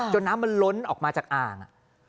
น้ำมันล้นออกมาจากอ่าง